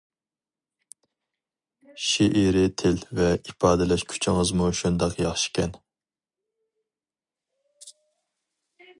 شېئىرى تىل ۋە ئىپادىلەش كۈچىڭىزمۇ شۇنداق ياخشىكەن.